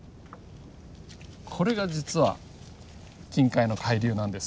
これが実は近海の海流なんです。